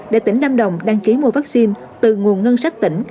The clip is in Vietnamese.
để tỉnh lâm đồng đăng ký mua vaccine từ nguồn ngân sách tỉnh